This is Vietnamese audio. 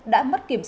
đã mất kiểm tra